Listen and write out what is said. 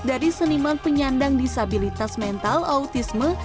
dari seniman penyandang disabilitas mental autisme